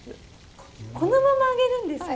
このまま揚げるんですか？